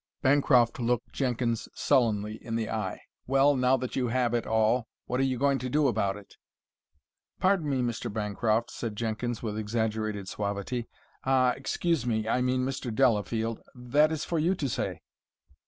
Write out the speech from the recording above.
Bancroft looked Jenkins sullenly in the eye. "Well, now that you have it all, what are you going to do about it?" "Pardon me, Mr. Bancroft," said Jenkins with exaggerated suavity, "ah, excuse me, I mean Mr. Delafield that is for you to say."